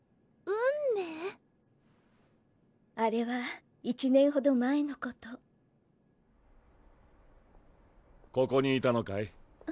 あれは１年ほど前のことここにいたのかい